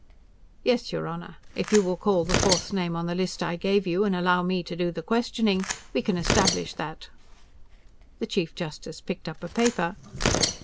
"Yes, your Honor. If you will call the fourth name on the list I gave you, and allow me to do the questioning, we can establish that." The Chief Justice picked up a paper.